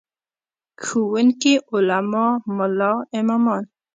ښوونکي، علما، ملا امامان.